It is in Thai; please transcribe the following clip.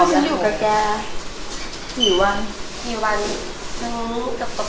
ให้ผมอยู่แกครับกี่วันกี่วันดูกับ๑๐วันวะ